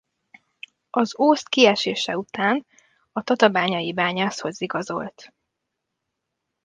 Az Ózd kiesése után a Tatabányai Bányászhoz igazolt.